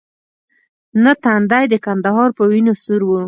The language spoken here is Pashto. نه تندی د کندهار په وینو سور وو.